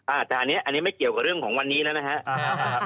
แต่อันนี้ไม่เกี่ยวกับเรื่องของวันนี้แล้วนะครับ